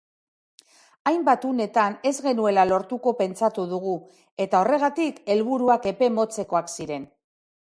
Hainbat unetan ez genuela lortuko pentsatu dugu eta horregatik helburuak epe motzekoak ziren.